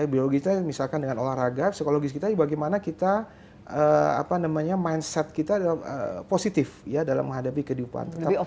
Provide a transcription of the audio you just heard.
bisa dengan olahraga psikologis kita bagaimana kita mindset kita positif dalam menghadapi kehidupan